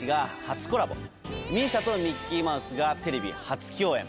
ＭＩＳＩＡとミッキーマウスがテレビ初共演。